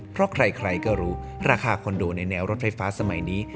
เพราะใครก็รู้ราคาคอนโดในแนวรถไฟฟ้าสมัยนี้